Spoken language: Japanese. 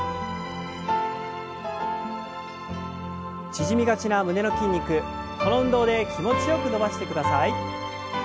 縮みがちな胸の筋肉この運動で気持ちよく伸ばしてください。